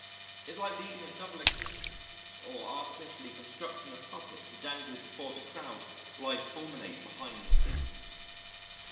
It's like leading a double existence or artificially constructing a puppet to dangle before the crowd while I fulminate behind the scenes.